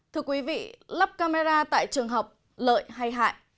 thưa quý vị lắp camera tại trường học lợi hay hại